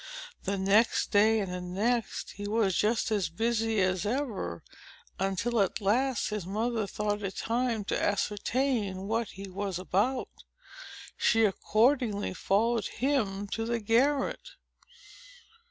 The next day, and the next, he was just as busy as ever; until at last his mother thought it time to ascertain what he was about. She accordingly followed him to the garret.